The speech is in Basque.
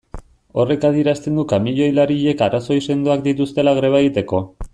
Horrek adierazten du kamioilariek arrazoi sendoak dituztela greba egiteko.